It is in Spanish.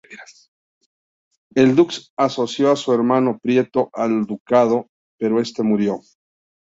El dux asoció a su hermano Pietro al ducado, pero este murió.